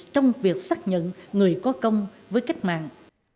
trong việc xác nhận người có công với cách mạng